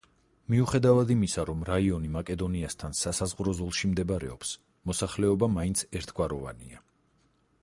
მიუხედავად იმისა, რომ რაიონი მაკედონიასთან სასაზღვრო ზოლში მდებარეობს, მოსახლეობა მაინც ერთგვაროვანია.